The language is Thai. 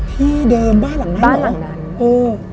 ที่เดิมบ้านหลังนั้นเหรอ